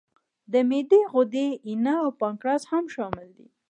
د معدې غدې، ینه او پانکراس هم شامل دي.